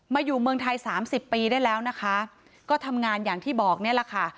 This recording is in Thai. อยู่เมืองไทยสามสิบปีได้แล้วนะคะก็ทำงานอย่างที่บอกเนี่ยแหละค่ะ